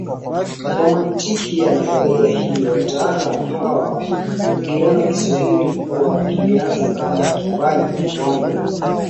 Kwa mantiki ya nadharia hii wataalamu hawa hukiona Kiswahili kuwa kilianza kama Kipijini kwani